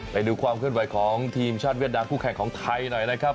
ไปดูความเคลื่อนไหวของทีมชาติเวียดนามคู่แข่งของไทยหน่อยนะครับ